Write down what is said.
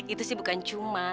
itu sih bukan cuma